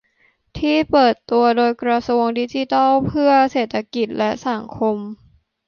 ที่เปิดตัวโดยกระทรวงดิจิทัลเพื่อเศรษฐกิจและสังคม